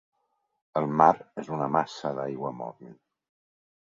El mar és una massa d'aigua mòbil.